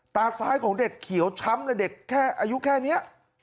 ตาซ้ายของเด็กเขียวช้ำเลยเด็กแค่อายุแค่นี้